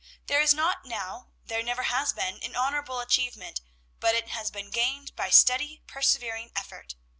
"There is not now, there never has been, an honorable achievement, but it has been gained by steady, persevering effort.